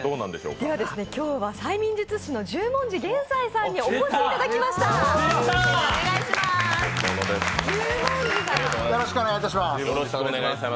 今日は催眠術師の十文字幻斎さんにお越しいただきました。